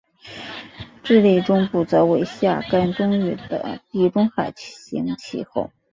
智利中部则为夏干冬雨的地中海型气候。